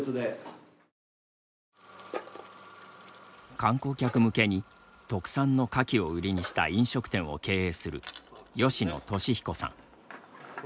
観光客向けに特産のカキを売りにした飲食店を経営する吉野寿彦さん。